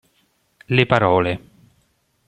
Le parole